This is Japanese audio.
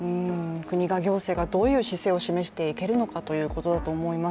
国が、行政がどういう姿勢を示していけるのかということだと思います。